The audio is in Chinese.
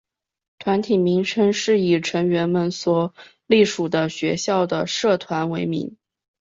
团体名称是以成员们所隶属的学校的社团为名。